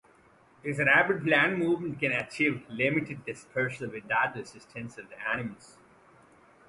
This rapid plant movement can achieve limited dispersal without the assistance of animals.